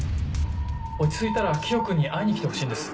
落ち着いたらキヨ君に会いに来てほしいんです。